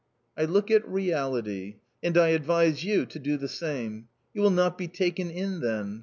" I look at reality, and I advise you to do the same ;• you will not be taken in then.